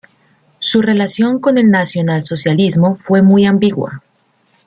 Su relación con el nacionalsocialismo fue muy ambigua.